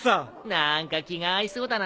何か気が合いそうだな。